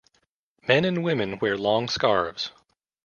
Men and women wear long scarves.